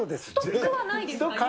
ストックはないですか。